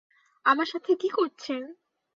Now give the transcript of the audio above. আমার সাথে কী করছেন?